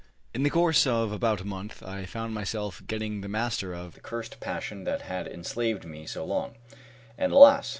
In the course of about a month I found myself getting the master of the cursed passion that had enslaved me so long, and, alas!